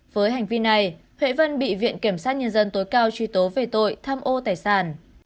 với hành vi này huệ vân bị viện kiểm sát nhân dân tối cao truy tố về tội tham ô tài sản